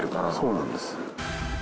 そうなんです。